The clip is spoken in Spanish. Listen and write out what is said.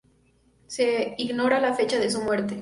Se ignora la fecha de su muerte.